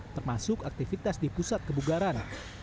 termasuk aktivitas di pusat kebugaran